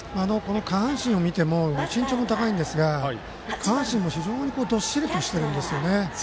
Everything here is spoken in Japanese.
下半身を見ても身長も高いんですが下半身もどっしりしてるんですよね。